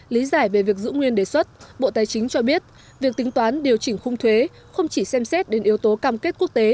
lý giải về việc giữ nguyên đề xuất bộ tài chính cho biết việc tính toán điều chỉnh khung thuế không chỉ xem xét đến yếu tố cam kết quốc tế